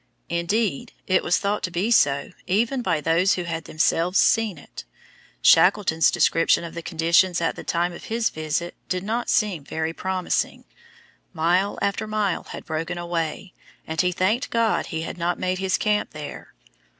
Indeed, it was thought to be so even by those who had themselves seen it. Shackleton's description of the conditions at the time of his visit did not seem very promising. Mile after mile had broken away, and he thanked God he had not made his camp there.